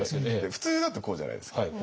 普通だとこうじゃないですか。